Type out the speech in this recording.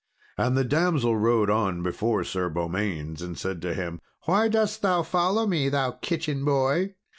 And the damsel rode on before Sir Beaumains, and said to him, "Why dost thou follow me, thou kitchen boy?